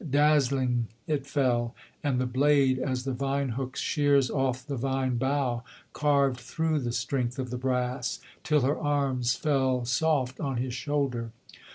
Dazzling it fell; and the blade, as the vine hook shears off the vine bough, Carved through the strength of the brass, till her arms fell soft on his shoulder.